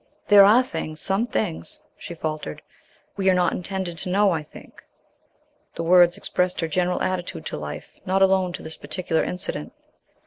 "There are things some things," she faltered, "we are not intended to know, I think." The words expressed her general attitude to life, not alone to this particular incident.